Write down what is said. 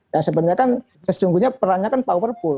yang sebenarnya kan sesungguhnya perannya kan powerful